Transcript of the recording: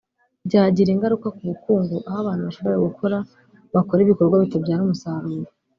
byagira ingaruka k’ubukungu aho abantu bashoboye gukora bakora ibikorwa bitabyara umusaruro